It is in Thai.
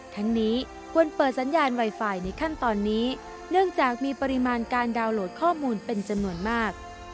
ทั้งนี้ควรเปิดสัญญาณไวไฟในขั้นตอนนี้เนื่องจากมีปริมาณการดาวน์โหลดข้อมูลเป็นจำนวนมาก